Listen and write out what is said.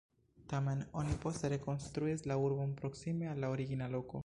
Tamen oni poste rekonstruis la urbon proksime al la origina loko.